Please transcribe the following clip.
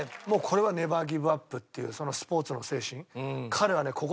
もうこれはネバーギブアップっていうスポーツの精神彼はね